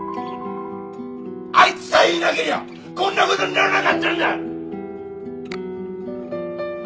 あいつさえいなけりゃこんなことにならなかったんだ！